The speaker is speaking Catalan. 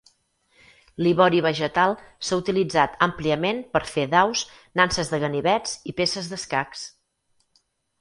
L'ivori vegetal s'ha utilitzat àmpliament per fer daus, nanses de ganivets i peces d'escacs.